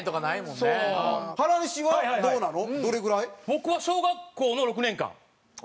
僕は小学校の６年間。